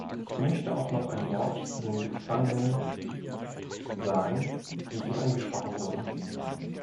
Ich möchte auch noch ein Wort zu den Gefangenen sagen, die hier angesprochen wurden.